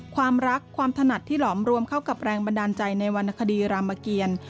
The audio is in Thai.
ความรักความถนัดที่หลอมรวมเข้ากับแรงบันดาลใจในวรรณคดีรามเกียร